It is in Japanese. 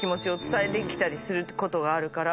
ことがあるから。